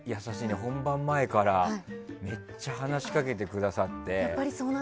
本番前からめっちゃ話しかけてくださって。